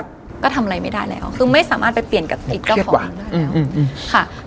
ก็ทำอะไรไม่ได้แล้วคือไม่สามารถไปเปลี่ยนอีกของด้วยแล้ว